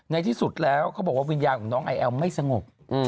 ที่สุดแล้วเขาบอกว่าวิญญาณของน้องไอแอลไม่สงบ